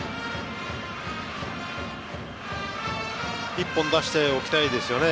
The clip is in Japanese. １本出しておきたいですね